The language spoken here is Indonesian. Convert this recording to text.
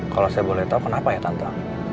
kalo saya boleh tau kenapa ya tante